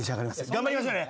頑張りましょうね。